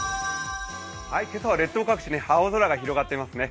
今朝は列島各地、青空が広がっていますね。